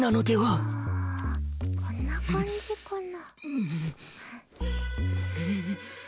こんな感じかな？